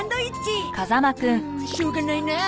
うんしょうがないなあ。